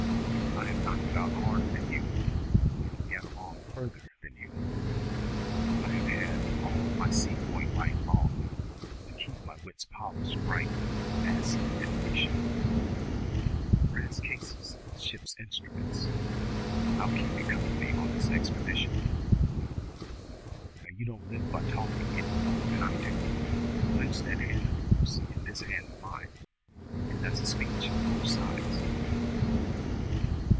I have knocked about harder than you, and have got along further than you. I have had, all my sea going life long, to keep my wits polished bright with acid and friction, like the brass cases of the ship's instruments. I'll keep you company on this expedition. Now you don't live by talking any more than I do. Clench that hand of yours in this hand of mine, and that's a speech on both sides."